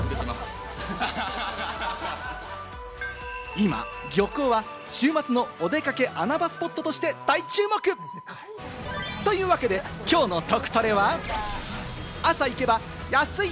今、漁港は週末のお出かけ穴場スポットとして大注目！というわけで、きょうのトクトレは、朝行けば、安い！